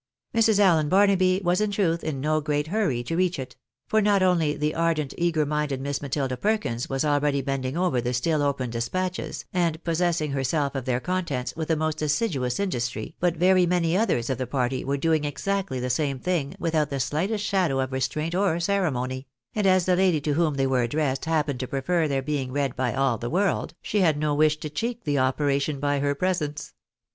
Mrs. Allen Barnaby was in truth in no great hurry to reach it ; for not only the ardent eager minded Miss Matilda Perkins was already bending over the still open despatches, and possessing her self of their contents with the most assiduous industry, but very niany others of the party were doing exactly the same thing, with out the shghtest shadow of restraint or ceremony ; and as the lady to whom they were addressed happened to prefer their being read by aU the world, she had no wish to check' the operation by her presence.